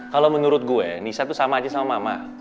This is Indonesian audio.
kalau menurut gue nisa tuh sama aja sama mama